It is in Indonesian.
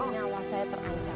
nyawa saya terancam